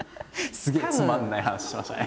すげえつまんない話しましたね